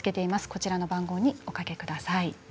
こちらの番号におかけください。